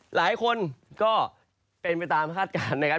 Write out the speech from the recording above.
หลายคนก็เป็นไปตามคาดการณ์นะครับ